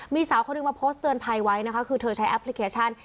มีสาวคนหนึ่งมาโพสต์เตือนภัยไว้นะคะคือเธอใช้แอปพลิเคชัน